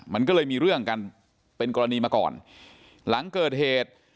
มันก็เลยมีเรื่องกันเป็นกรณีมาก่อนหลังเกิดเหตุ